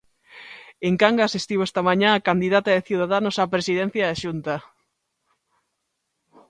En Cangas estivo esta mañá a candidata de Ciudadanos á presidencia da Xunta.